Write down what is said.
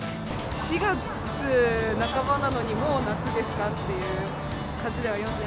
４月半ばなのに、もう夏ですかっていう感じではありますね。